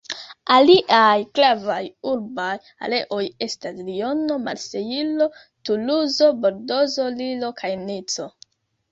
Aliaj gravaj urbaj areoj estas Liono, Marsejlo, Tuluzo, Bordozo, Lillo kaj Nico.